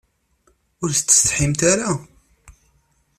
Ur tsetḥimt ara?